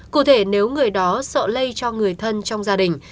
cụ thể nếu người đó sợ lây cho người thân trong gia đình